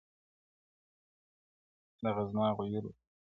• دغه زما غيور ولس دی -